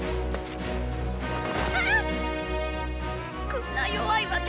こんな弱い私